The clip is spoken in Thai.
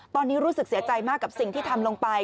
ตอนนี้รู้สึกเสียใจมากกับสิ่งที่ทำลงไป